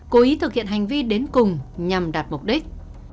cố ý thực hiện hành vi đến cùng nhằm đạt mục đích